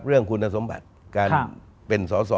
เรื่องคุณสมบัติการเป็นสอสอ